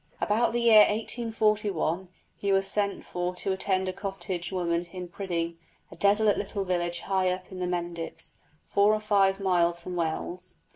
About the year 1841 he was sent for to attend a cottage woman at Priddy a desolate little village high up in the Mendips, four or five miles from Wells.